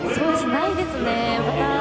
ないですね。